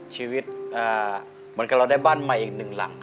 ชีวิตเหมือนกับเราได้บ้านใหม่อีกหนึ่งหลัง